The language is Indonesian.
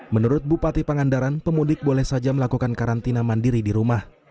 menurut bupati pangandaran pemudik boleh saja melakukan karantina mandiri di rumah